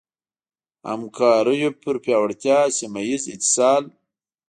همکاریو پر پیاوړتیا ، سيمهييز اتصال